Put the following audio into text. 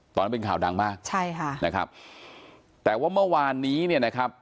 ตอนนั้นเป็นข่าวดังมากใช่ค่ะนะครับแต่ว่าเมื่อวานนี้เนี่ยนะครับ